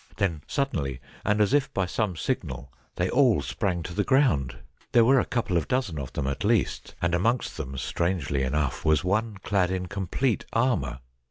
Then suddenly, and as if by some signal, they all sprang to the ground. There were a couple of dozen of them at least, and amongst them, strangely enough, was one clad in complete armour.